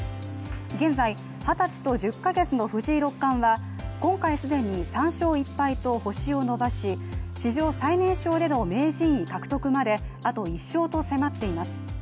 現在、二十歳と１０か月の藤井六冠は、今回、既に３勝１敗と星を伸ばし史上最年少での名人位獲得まであと１勝と迫っています。